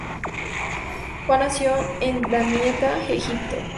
Juan nació en Damietta, Egipto.